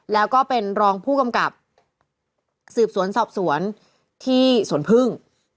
แล้วก็เป็นรองผู้กำกับสืบสวนสอบสวนที่สวนพึ่ง